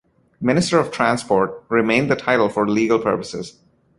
"Minister of Transport" remained the title for legal purposes.